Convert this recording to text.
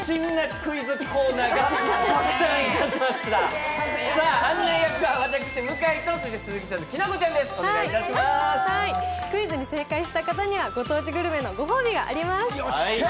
クイズに正解した方には御当地グルメのご褒美があります。